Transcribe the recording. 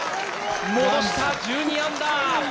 戻した、１２アンダー。